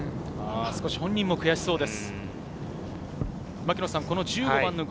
本人も悔しそうです。